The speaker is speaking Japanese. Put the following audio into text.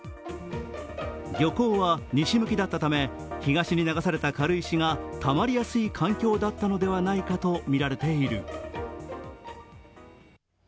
漁港は西向きだったため、東に流された軽石がたまりやすい環境だったのではないかとみられている。